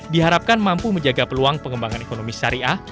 diharapkan mampu menjaga peluang pengembangan ekonomi syariah